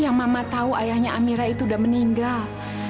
yang mama tahu ayahnya amira itu udah meninggal